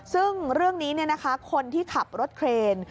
ซึ่งเรื่องนี้เนี่ยนะคะคนที่ขับรถเครน